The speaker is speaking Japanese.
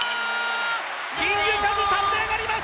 キングカズ、立ち上がります！